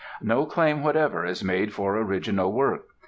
No claim whatever is made for original work.